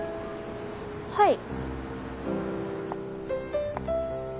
はい。